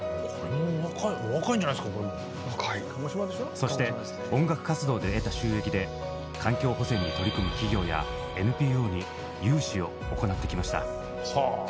そして音楽活動で得た収益で環境保全に取り組む企業やＮＰＯに融資を行ってきました。